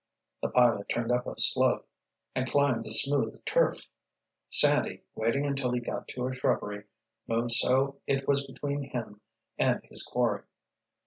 The pilot turned up a slope and climbed the smooth turf. Sandy, waiting until he got to a shrubbery, moved so it was between him and his quarry.